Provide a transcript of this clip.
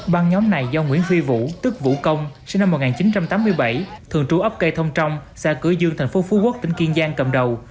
băng nhóm này do nguyễn phi vũ tức vũ công sinh năm một nghìn chín trăm tám mươi bảy thường trú ốc cây thông trong xa cửa dương thành phố phú quốc tỉnh kiên giang cầm đầu